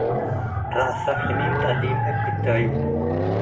ረአሰ ሕሚም ጠሊም እብ ክታዩ